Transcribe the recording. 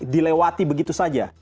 dilewati begitu saja